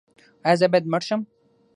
ایا زه باید مړ شم؟